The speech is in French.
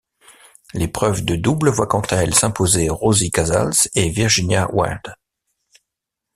L'épreuve de double voit quant à elle s'imposer Rosie Casals et Virginia Wade.